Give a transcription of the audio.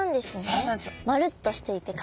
そうなんです。